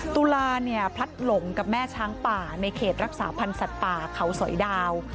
ตุลาเนี่ยพลัดหลงกับแม่ช้างป่าในเขตรักษาพันธ์สัตว์ป่าเขาสอยดาว